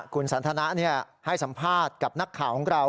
คุณสันทนะให้สัมภาษณ์กับนักข่าวของเรา